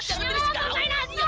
jangan lompat main asma